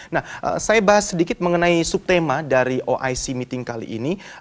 nah saya bahas sedikit mengenai subtema dari oic meeting kali ini